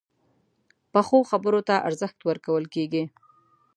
پخو خبرو ته ارزښت ورکول کېږي